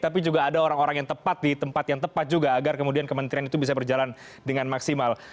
tapi juga ada orang orang yang tepat di tempat yang tepat juga agar kemudian kementerian itu bisa berjalan dengan maksimal